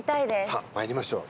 さあ参りましょう。